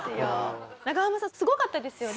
長濱さんすごかったですよね？